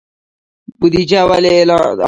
بودجه ولې عادلانه وي؟